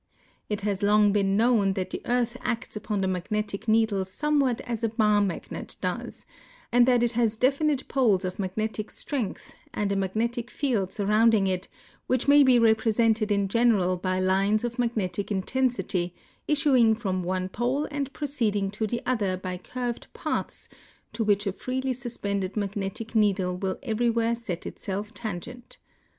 It has long l)een known that the earth acts upon the magnetic needle somewhat as a bar magnet does, and that it has delinite poles of magnetic strength and a magnetic field surrounding it Avhich may be represented in general by lines of magnetic in tensity issuing from one pole anil proceeding to the other by curved paths to which a freely suspended magnetic needle will ever3Mvhere set itself tangent.